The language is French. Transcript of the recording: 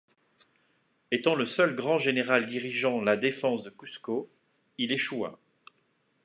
Étant le seul grand général dirigeant la défense de Cusco, il échoua.